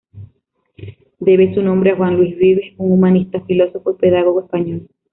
Debe su nombre a Juan Luis Vives, un humanista, filósofo y pedagogo español.